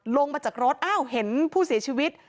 ลงมาจากรถอ้าวเห็นผู้เสียชีวิต